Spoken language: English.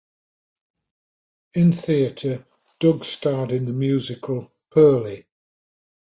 In theater, Doug starred in the musical "Purlie".